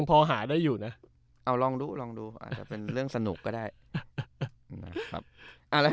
พอหาได้อยู่นะเอาลองดูลองดูอาจจะเป็นเรื่องสนุกก็ได้นะครับ